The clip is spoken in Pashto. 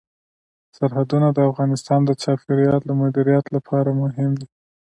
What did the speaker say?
سرحدونه د افغانستان د چاپیریال د مدیریت لپاره مهم دي.